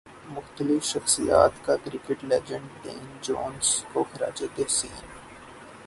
مختلف شخصیات کا کرکٹ لیجنڈ ڈین جونز کو خراج تحسین